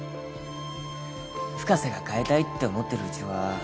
深瀬が変えたいって思ってるうちは